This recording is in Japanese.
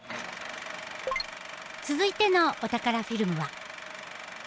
続いてのお宝フィルムは。